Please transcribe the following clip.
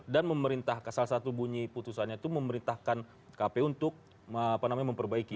dan memerintah salah satu bunyi putusannya itu memerintahkan kp untuk memperbaiki